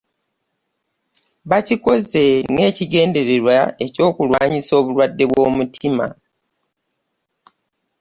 Bukikoze n'ekigendererwa eky'okulwanyisa obulwadde bw'omutima.